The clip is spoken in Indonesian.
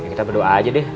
kita berdua aja deh